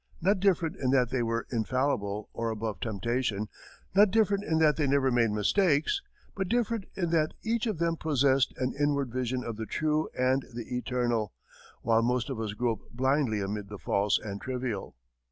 Not different in that they were infallible or above temptation; not different in that they never made mistakes; but different in that they each of them possessed an inward vision of the true and the eternal, while most of us grope blindly amid the false and trivial.